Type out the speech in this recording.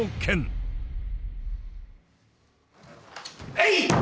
えい！